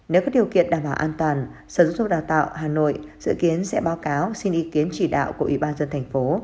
nếu có điều kiện đảm bảo an toàn sở giáo dục đào tạo hà nội dự kiến sẽ báo cáo xin ý kiến chỉ đạo của ủy ban dân thành phố